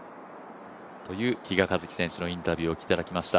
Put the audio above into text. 比嘉一貴選手のインタビューをお聞きいただきました。